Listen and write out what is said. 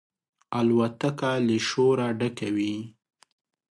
الوتکه له شوره ډکه وي.